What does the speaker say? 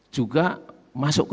juga masuk ke